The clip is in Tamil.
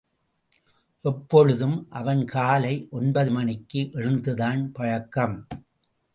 எப்பொழுதும் அவன் காலை ஒன்பது மணிக்கு எழுந்துதான் பழக்கம்.